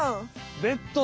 ベッドだ！